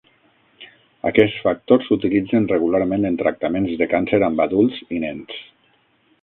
Aquests factors s'utilitzen regularment en tractaments de càncer amb adults i nens.